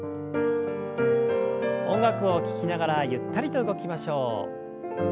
音楽を聞きながらゆったりと動きましょう。